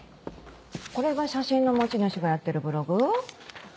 これが写真の持ち主がやってるブログ？